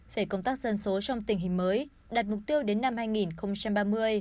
về công tác dân số trong tình hình mới đặt mục tiêu đến năm hai nghìn ba mươi